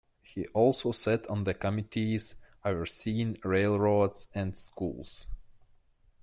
He also sat on the committees overseeing railroads and schools.